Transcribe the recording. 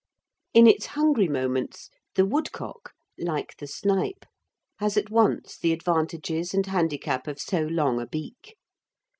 In its hungry moments the woodcock, like the snipe, has at once the advantages and handicap of so long a beak.